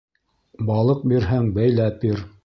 Балыҡ бирһәң, бәйләп бир